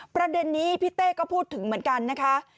ประเด็นนี้พี่เต้ก็พูดถึงเหมือนกันนะคะ